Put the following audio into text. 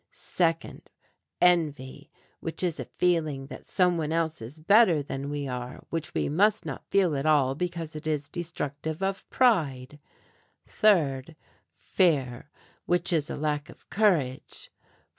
Second, envy, which is a feeling that some one else is better than we are, which we must not feel at all because it is destructive of pride. Third, fear, which is a lack of courage.